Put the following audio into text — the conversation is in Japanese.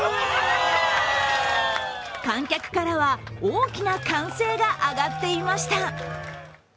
観客からは、大きな歓声が上がっていました。